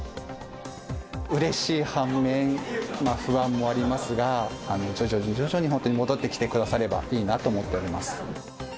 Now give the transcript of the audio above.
うれしい半面、不安もありますが、徐々に徐々に本当に戻ってきてくださればいいなと思っております。